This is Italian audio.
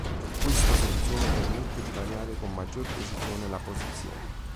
Questa soluzione permette di variare con maggiore precisione la posizione.